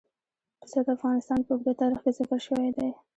پسه د افغانستان په اوږده تاریخ کې ذکر شوی دی.